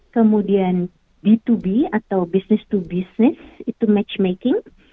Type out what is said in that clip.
kemudian b dua b atau business to business itu match making